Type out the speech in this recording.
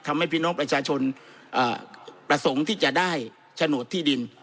พี่น้องประชาชนประสงค์ที่จะได้โฉนดที่ดิน